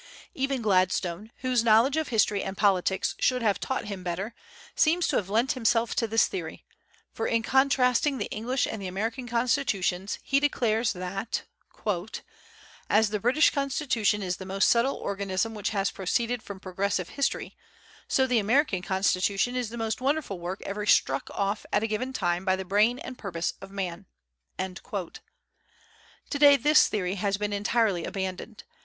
Even Gladstone, whose knowledge of history and politics should have taught him better, seems to have lent himself to this theory, for in contrasting the English and the American Constitutions, he declares that, "As the British Constitution is the most subtle organism which has proceeded from progressive history, so the American Constitution is the most wonderful work ever struck off at a given time by the brain and purpose of man." To day this theory has been entirely abandoned.